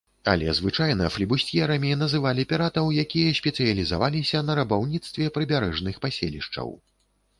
Але звычайна флібусцьерамі называлі піратаў, якія спецыялізаваліся на рабаўніцтве прыбярэжных паселішчаў.